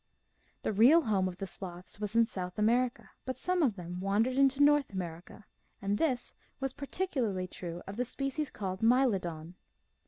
The real home of the sloths was in South America, but some of them wandered into North America, and this was particularly true of the species called Mylodon.